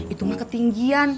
itu mah ketinggian